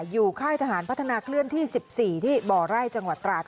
ค่ายทหารพัฒนาเคลื่อนที่๑๔ที่บ่อไร่จังหวัดตราด